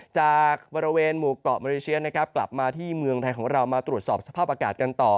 จากบริเวณหมู่เกาะเมริเชียนนะครับกลับมาที่เมืองไทยของเรามาตรวจสอบสภาพอากาศกันต่อ